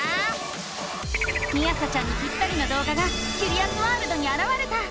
みあさちゃんにぴったりの動画がキュリアスワールドにあらわれた！